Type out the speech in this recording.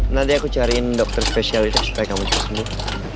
nanti aku cariin dokter spesialitas supaya kamu cepat sembuh